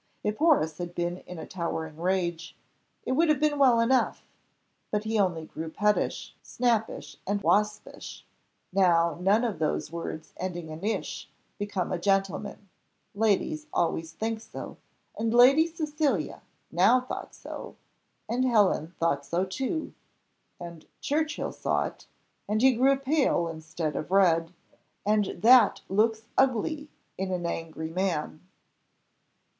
If Horace had been in a towering rage, it would have been well enough; but he only grew pettish, snappish, waspish: now none of those words ending in ish become a gentleman; ladies always think so, and Lady Cecilia now thought so, and Helen thought so too, and Churchill saw it, and he grew pale instead of red, and that looks ugly in an angry man.